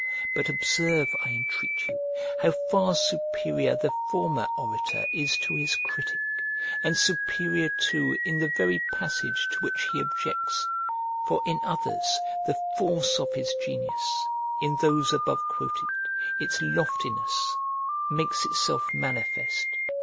But observe, I entreat you, how far superior the former orator is to his critic, and superior too in the very passage to which he objects; for in others, the force of his genius, in those above quoted, its loftiness, makes itself manifest.